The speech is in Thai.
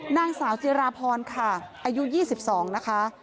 นางสาวจิราพรค่ะอายุ๒๒นะคะ